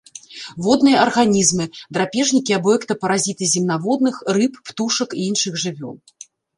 Водныя арганізмы, драпежнікі або эктапаразіты земнаводных, рыб, птушак і іншых жывёл.